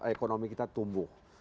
ekonomi kita tumbuh